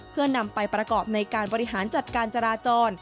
เพื่อนำไปประกอบในการบริหารจัดการจราจร